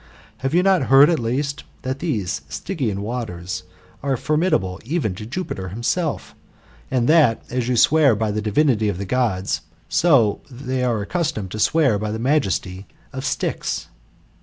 Have you not heard, at least, that these Stygian waters are formidable •even to Jupiter himself, and that as you swear ^by the divinity of the Gods, so they are accustomed to swear by* the majesty of Styx?